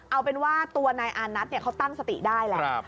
เอาเป็นว่าตัวนายอานัทเขาตั้งสติได้แหละ